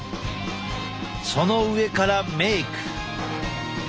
その上からメーク。